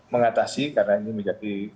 mengatasi karena ini menjadi